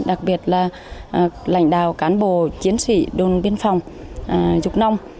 đặc biệt là lãnh đạo cán bộ chiến sĩ đồn biên phòng dục nông